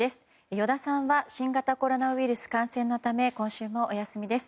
依田さんは新型コロナウイルス感染のため今週もお休みです。